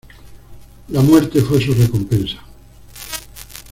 La muerte fue su recompensa.